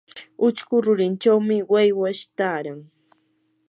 uchku rurinchawmi waywash taaran.